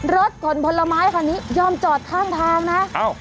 รถขนผลไม้คันนี้ยอมจอดข้างทางนะ